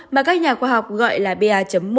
mà các nhà khoa học gọi là pa một